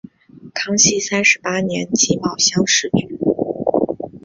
康熙三十八年己卯乡试举人。